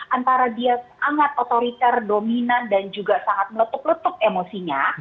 antara dia sangat otoriter dominan dan juga sangat meletup letup emosinya